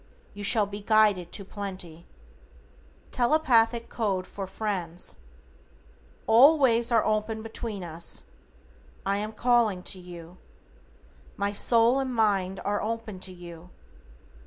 You shall be guided to plenty. =TELEPATHIC CODE FOR FRIENDS:= All ways are open between us. I am calling to you. My soul and mind are open to you.